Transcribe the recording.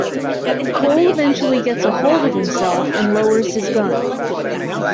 Cole eventually gets a hold of himself and lowers his gun.